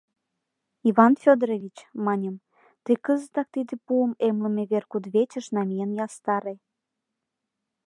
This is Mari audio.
— Иван Фёдорович, — маньым, — тый кызытак тиде пуым эмлыме вер кудывечыш намиен ястаре.